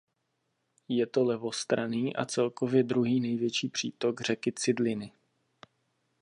Je to levostranný a celkově druhý největší přítok řeky Cidliny.